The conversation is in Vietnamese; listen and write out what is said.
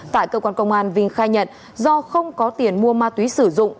tại cơ quan công an vinh khai nhận do không có tiền mua ma túy sử dụng